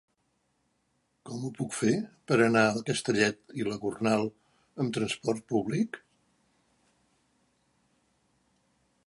Com ho puc fer per anar a Castellet i la Gornal amb trasport públic?